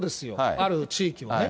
ある地域はね。